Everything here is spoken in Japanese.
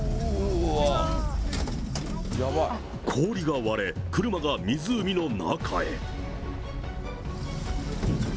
氷が割れ、車が湖の中へ。